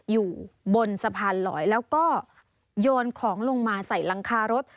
อยู่บนสะพานลอยแล้วก็โยนของลงมาใส่หลังคารถ